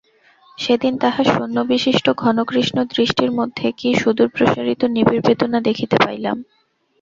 সেদিন তাহার শূন্যনিবিষ্ট ঘনকৃষ্ণ দৃষ্টির মধ্যে কী সুদূরপ্রসারিত নিবিড় বেদনা দেখিতে পাইলাম।